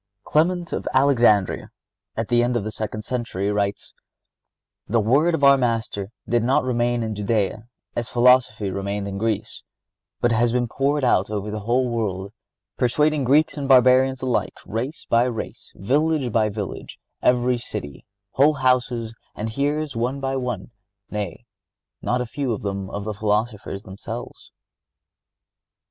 (64) Clement of Alexandria, at the end of the second century, writes: "The word of our Master did not remain in Judea, as philosophy remained in Greece, but has been poured out over the whole world, persuading Greeks and Barbarians alike, race by race, village by village, every city, whole houses and hearers one by one—nay, not a few of the philosophers themselves."